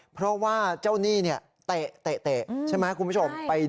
เพราะว่าเจ้าหนี้เนี่ยเตะเตะเตะ